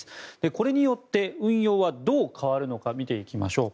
これによって運用はどう変わるのか見ていきましょう。